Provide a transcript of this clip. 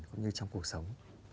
cũng như trong cuộc sống